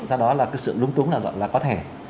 do đó là sự lung tung là có thể